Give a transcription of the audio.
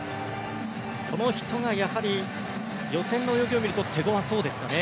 この人がやはり予選の泳ぎを見ると手ごわそうですかね。